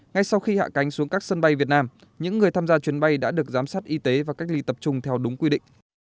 ngay sau khi hạ cánh xuống các sân bay việt nam những người tham gia chuyến bay đã được giám sát y tế và cách ly tập trung theo đúng quy định